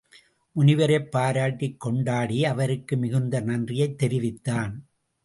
முனிவரைப் பாராட்டிக் கொண்டாடி அவருக்கு மிகுந்த நன்றியைத் தெரிவித்தான்.